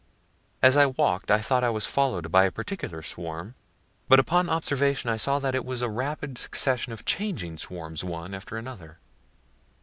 As I walk'd, I thought I was follow'd by a particular swarm, but upon observation I saw that it was a rapid succession of changing swarms, one after another.